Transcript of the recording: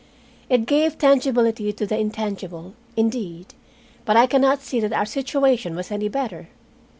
It gave tangibility to the intangible, indeed, but I can not see that our situation was any better.